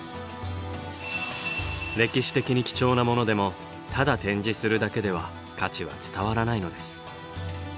歴史的に貴重なものでもただ展示するだけでは価値は伝わらないのです。